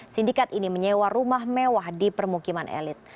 sindikat ini menyewa rumah mewah di permukiman elit